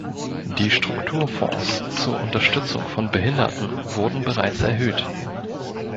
Die Strukturfonds zur Unterstützung von Behinderten wurden bereits erhöht.